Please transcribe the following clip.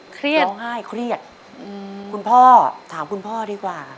เครียดคุณพ่อก็ถามคุณพ่อดีกว่า